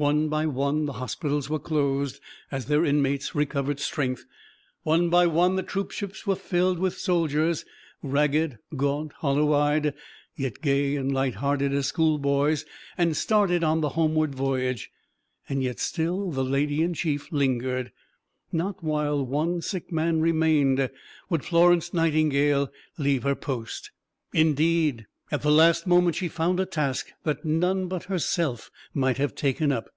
One by one the hospitals were closed, as their inmates recovered strength; one by one the troopships were filled with soldiers ragged, gaunt, hollow eyed, yet gay and light hearted as schoolboys and started on the homeward voyage; yet still the Lady in Chief lingered. Not while one sick man remained would Florence Nightingale leave her post. Indeed, at the last moment she found a task that none but herself might have taken up.